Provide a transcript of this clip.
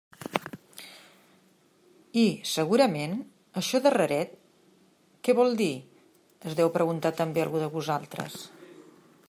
I, segurament, això de raret què vol dir?, es deu preguntar també algú de vosaltres.